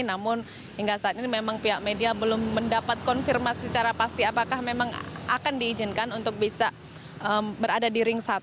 namun hingga saat ini memang pihak media belum mendapat konfirmasi secara pasti apakah memang akan diizinkan untuk bisa berada di ring satu